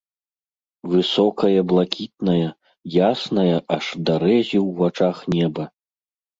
Высокае блакітнае, яснае аж да рэзі ў вачах неба.